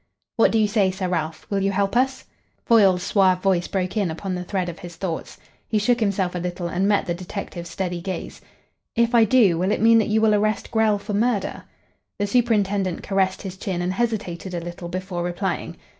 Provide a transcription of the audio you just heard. "What do you say, Sir Ralph? Will you help us?" Foyle's suave voice broke in upon the thread of his thoughts. He shook himself a little and met the detective's steady gaze. "If I do, will it mean that you will arrest Grell for murder?" The superintendent caressed his chin and hesitated a little before replying.